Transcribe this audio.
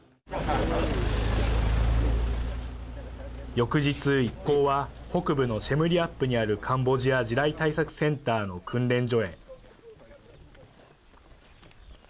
翌日、一行は北部のシェムリアップにあるカンボジア地雷対策センターの訓練所へ。